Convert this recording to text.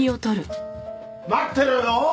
待ってろよ。